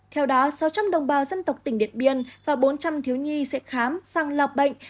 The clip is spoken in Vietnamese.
theo đó sáu trăm linh đồng bào dân tộc tỉnh điện biên và bốn trăm linh thiếu nhi sẽ khám sàng lọc bệnh